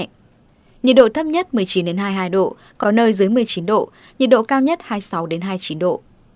nhiệt độ thấp nhất một mươi chín hai mươi hai độ có nơi dưới một mươi chín độ nhiệt độ cao nhất hai mươi sáu hai mươi chín độ